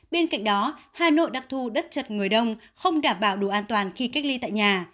bên cạnh đó hà nội đặc thù đất chật người đông không đảm bảo đủ an toàn khi cách ly tại nhà